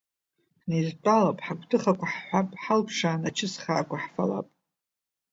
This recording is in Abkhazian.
Ҳнеидтәалап, ҳагәҭыхақәа ҳҳәап, ҳалԥшаан ачысхаақәа ҳфалап.